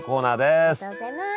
ありがとうございます。